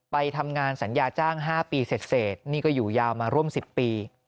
ไปทำงานสัญญาจ้าง๕ปีเสร็จนี่ก็อยู่ยาวมาร่วม๑๐ปี